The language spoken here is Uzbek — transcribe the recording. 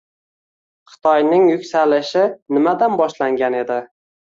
Xitoyning yuksalishi nimadan boshlangan edi?